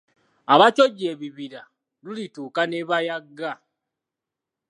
Abakyojja ebibira lulituuka ne bayagga.